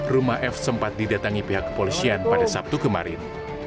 rumah f sempat didatangi pihak kepolisian pada sabtu kemarin